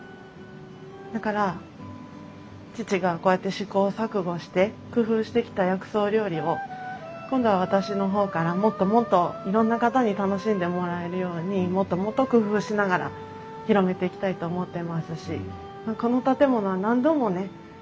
だから父がこうやって試行錯誤して工夫してきた薬草料理を今度は私の方からもっともっといろんな方に楽しんでもらえるようにもっともっと工夫しながら広めていきたいと思ってますしこの建物は何度もね